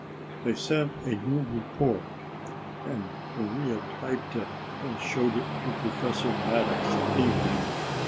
They sent a new report and Maria typed it and showed it to Professor Maddox that evening.